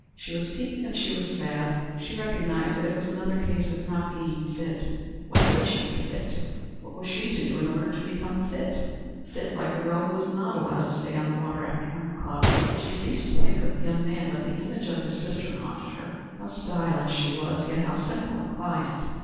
She was piqued and she was sad. She recognized that it was another case of not being fit. When would she be fit? What was she to do in order to become fit fit like the girl who was not allowed to stay on the water after nine o'clock? She had ceased to think of the young man, but the image of his sister haunted her. How stylish she was, yet how simple and quiet!